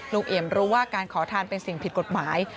เอี่ยมรู้ว่าการขอทานเป็นสิ่งผิดกฎหมาย